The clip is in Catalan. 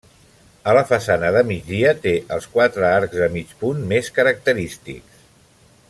A la façana de migdia té els quatre arcs de mig punt més característics.